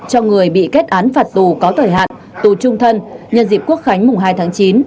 cho người bị kết án phạt tù có thời hạn tù trung thân nhân dịp quốc khánh mùng hai tháng chín